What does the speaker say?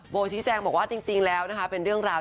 ชี้แจงบอกว่าจริงแล้วนะคะเป็นเรื่องราว